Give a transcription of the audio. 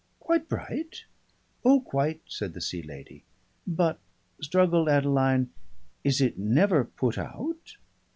"Quite bright?" "Oh, quite," said the Sea Lady. "But " struggled Adeline, "is it never put out?"